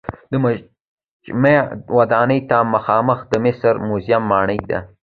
د مجمع ودانۍ ته مخامخ د مصر د موزیم ماڼۍ ده.